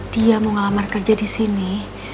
dia mau ngelamar kerja disini